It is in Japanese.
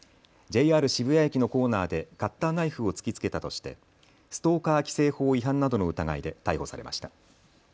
ＪＲ渋谷駅の構内でカッターナイフを突きつけたとしてストーカー規制法違反などの疑いで逮捕されました。